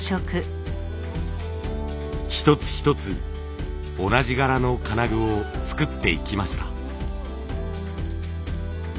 一つ一つ同じ柄の金具を作っていきました。